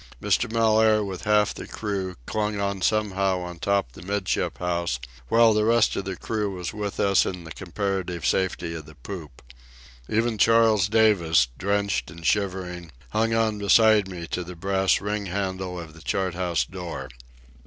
Mr. Mellaire, with half the crew, clung on somehow on top the 'midship house, while the rest of the crew was with us in the comparative safety of the poop. Even Charles Davis, drenched and shivering, hung on beside me to the brass ring handle of the chart house door.